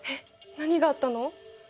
何があったの？